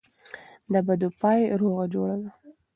دبدو پای روغه جوړه ده.